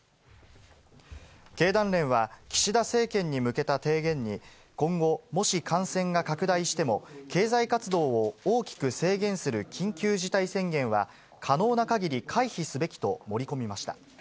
経団連は、岸田政権に向けた提言に、今後、もし感染が拡大しても、経済活動を大きく制限する緊急事態宣言は可能なかぎり回避すべきと盛り込みました。